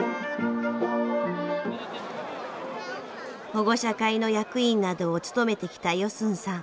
保護者会の役員などを務めてきたヨスンさん。